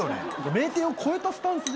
名店を超えたスタンスで。